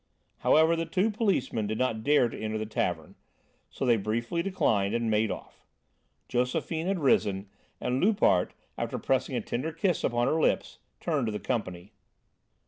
However, the two policemen did not dare to enter the tavern, so they briefly declined and made off. Josephine had risen, and Loupart, after pressing a tender kiss upon her lips, turned to the company.